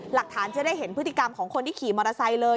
หลักฐานจะได้เห็นพฤติกรรมของคนที่ขี่มอเตอร์ไซค์เลย